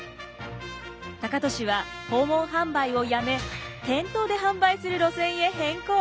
高利は訪問販売をやめ店頭で販売する路線へ変更。